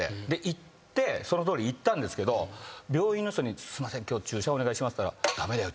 行ってそのとおり行ったんですけど病院の人に「すいません今日注射お願いします」って言ったら。